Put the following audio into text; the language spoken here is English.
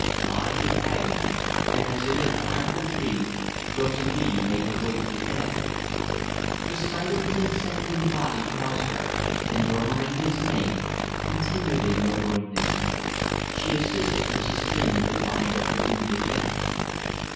Blind with agony, and as in a direful dream, Rosalie made her way to the bed. The sight of his ensanguined body roused her, and, murmuring his name continually murmuring his name she assisted Mrs. Flynn to bind up the wound again.